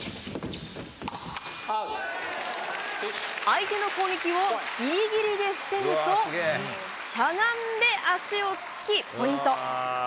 相手の攻撃をぎりぎりで防ぐとしゃがんで足を突き、ポイント。